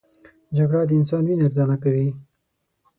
جګړه د انسان وینه ارزانه کوي